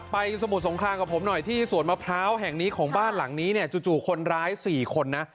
สมุทรสงครามกับผมหน่อยที่สวนมะพร้าวแห่งนี้ของบ้านหลังนี้เนี่ยจู่คนร้าย๔คนนะ